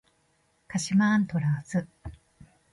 鹿島アントラーズ